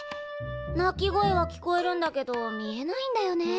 鳴き声は聞こえるんだけど見えないんだよね。